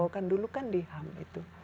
kan dulu kan di ham itu